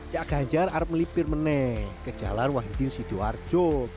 cak ganjar harap melipir meneh ke jalan wahidin sidoarjo